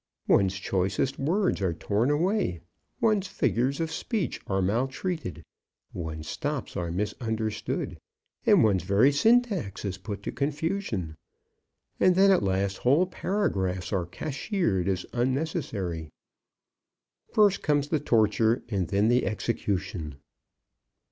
One's choicest words are torn away, one's figures of speech are maltreated, one's stops are misunderstood, and one's very syntax is put to confusion; and then, at last, whole paragraphs are cashiered as unnecessary. First comes the torture and then the execution.